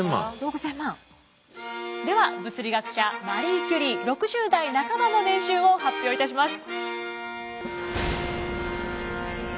では物理学者マリー・キュリー６０代半ばの年収を発表いたします。